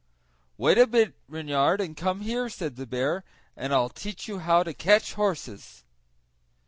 "Wait a bit Reynard, and come here," said the bear, "and I'll teach you how to catch horses."